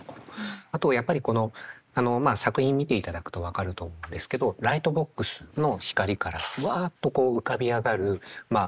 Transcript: あとやっぱりこのまあ作品見ていただくと分かると思うんですけどライトボックスの光からワッとこう浮かび上がるまあ